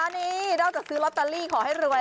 นี่นอกจากซื้อลอตเตอรี่ขอให้รวย